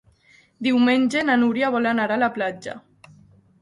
Diumenge na Núria vol anar a la platja.